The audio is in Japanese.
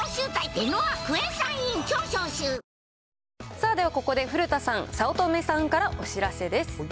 さあ、ではここで、古田さん、早乙女さんからお知らせです。